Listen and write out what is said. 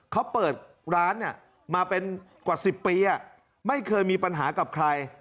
เขาเปิดร้านมาเป็นกว่า๑๐ปีไม่เคยมีปัญหากับใคร